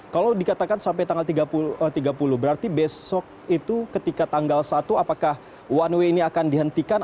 kalau dikatakan sampai tanggal tiga puluh berarti besok itu ketika tanggal satu apakah one way ini akan dihentikan